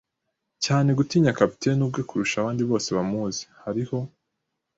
cyane gutinya capitaine ubwe kurusha abandi bose bamuzi. Hariho